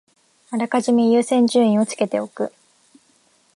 あらかじめ優先順位をつけておく